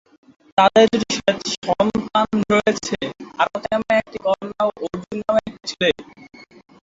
তাঁদের দুটি সন্তান রয়েছে; আরতি নামে একটি কন্যা এবং অর্জুন নামে একটি ছেলে।